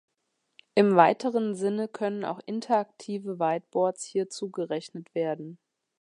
Im weiteren Sinne können auch interaktive Whiteboards hierzu gerechnet werden.